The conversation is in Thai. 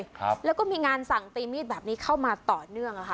ครับแล้วก็มีงานสั่งตีมีดแบบนี้เข้ามาต่อเนื่องอ่ะค่ะ